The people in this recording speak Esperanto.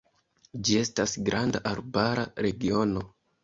Ĝi estas granda arbara regiono.